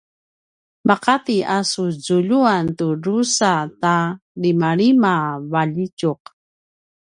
maqati a su zuljuan tu drusa ta limalima valjitjuq